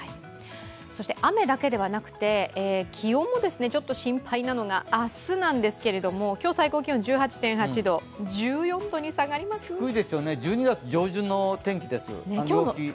そして雨だけではなくて気温もちょっと心配なのが明日なんですけども、今日最高気温が１８．８度ですが、低いですよね、１２月上旬の気温になります。